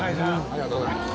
ありがとうございます。